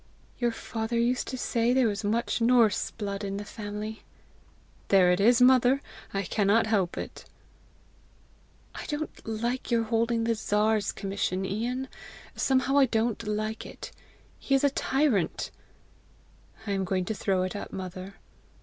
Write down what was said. "Your father used to say there was much Norse blood in the family." "There it is, mother! I cannot help it!" "I don't like your holding the Czar's commission, Ian somehow I don't like it! He is a tyrant!" "I am going to throw it up, mother."